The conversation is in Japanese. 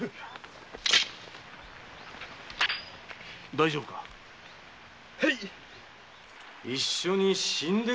大丈夫かへい一緒に死んでくれですって？